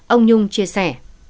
ông nhung chia sẻ